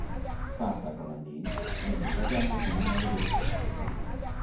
Spartaco Landini viene ingaggiato come nuovo direttore sportivo.